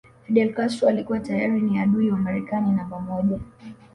Fidel Castro alikuwa tayari ni adui wa Marekani namba moja